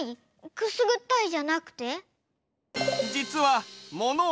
くすぐったいじゃなくて？